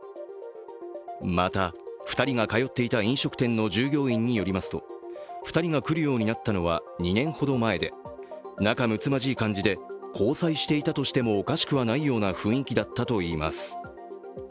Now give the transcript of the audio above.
また、２人が通っていた飲食店の従業員によりますと、２人が来るようになったのは２年ほど前で、仲むつまじい感じで交際していたとしてもおかしくはないような雰囲気だったとしています。